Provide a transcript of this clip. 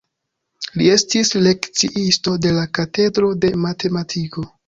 Li estis lekciisto de la katedro de matematiko.